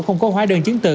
không có hóa đơn chứng từ